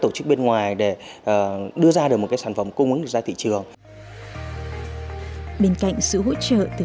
tổ chức bên ngoài để đưa ra được một cái sản phẩm cung ứng được ra thị trường bên cạnh sự hỗ trợ từ